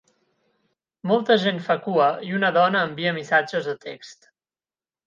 molta gent fa cua, i una dona envia missatges de text.